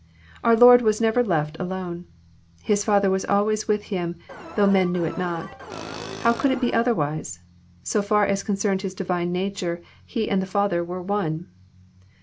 Our Lord was never left alone. His Father was alway with Him, though men knew it not. How could it be otherwise? So far as concerned His Divine nature, He and the Father were one."